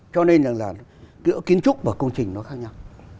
cho nên là giữa kiến trúc và công trình nó khác nhau